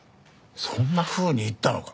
そんなふうに言ったのか。